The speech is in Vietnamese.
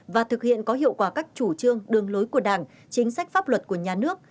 và thực hiện có hiệu quả các chủ trương đường lối của đảng chính sách pháp luật của nhà nước